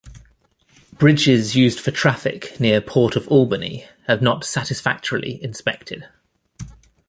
Bridges used for traffic near Port of Albany have not satisfactorily inspected.